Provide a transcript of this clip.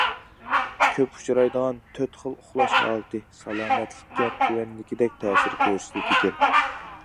كۆپ ئۇچرايدىغان تۆت خىل ئۇخلاش ھالىتى سالامەتلىككە تۆۋەندىكىدەك تەسىر كۆرسىتىدىكەن.